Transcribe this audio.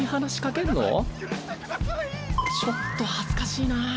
ちょっと恥ずかしいなぁ。